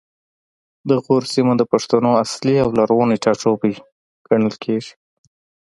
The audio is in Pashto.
د غور سیمه د پښتنو اصلي او لرغونی ټاټوبی ګڼل کیږي